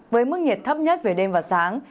với mức nhiệt thấp nhất về đêm và sáng